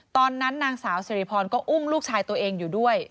นางสาวสิริพรก็อุ้มลูกชายตัวเองอยู่ด้วย